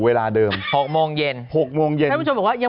เวลาเดิมหกโมงเย็นหกโมงเย็นแล้วคุณผู้ชมบอกว่ายัง